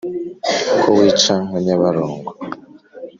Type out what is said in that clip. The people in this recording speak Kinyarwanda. ko wica nka nyabarongo